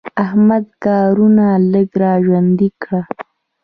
احمده کارونه لږ را ژوندي کړه.